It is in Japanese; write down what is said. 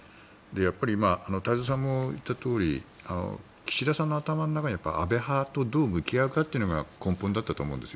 やっぱり今、太蔵さんも言ったとおり岸田さんの頭の中には安倍派とどう向き合うかというのが根本だったと思うんです。